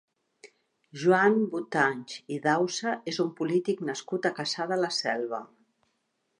Joan Botanch i Dausa és un polític nascut a Cassà de la Selva.